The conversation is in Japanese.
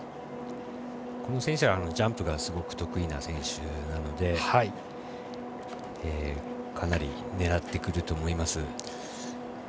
この選手はジャンプが得意な選手なのでかなり狙ってくると思います。